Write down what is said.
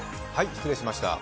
失礼しました。